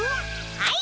はい。